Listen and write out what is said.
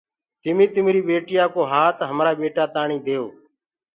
تمي تمري ٻيتايا ڪو هآت هماڪوٚ هرآ تآڻيٚ ديئو۔